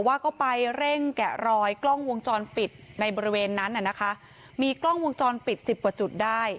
ว่าก็ไปเร่งแกะรอยกล้องวงจรปิดในบริเวณนั้นน่ะนะคะมีกล้องวงจรปิดสิบกว่าจุดได้